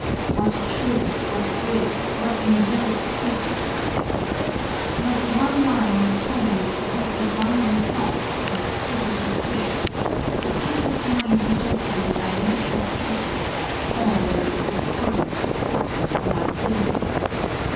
What truth, what grace, what angelic sweetness are there ! Not one line or tone that is not divinely soft or exquisitely fair ; the painter's mind rejecting, by a natural process, all that is discordant, coarse, or un pleasing.